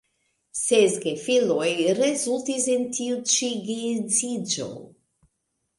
Ses gefiloj rezultis el tiu ĉi geedziĝo.